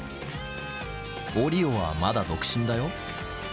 オリオはまだ独身だよ。